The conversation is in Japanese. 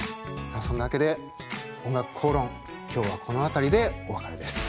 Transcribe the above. そんなわけで「おんがくこうろん」今日はこの辺りでお別れです。